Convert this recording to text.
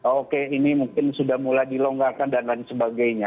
oke ini mungkin sudah mulai dilonggarkan dan lain sebagainya